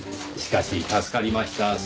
しかし助かりました。